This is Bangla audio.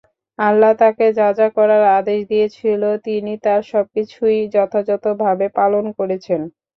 আল্লাহ তাকে যা যা করার আদেশ দিয়েছিলেন তিনি তার সব কিছুই যথাযথভাবে পালন করেছেন।